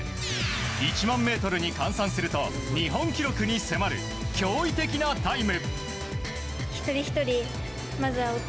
１００００ｍに換算すると日本記録に迫る驚異的なタイム。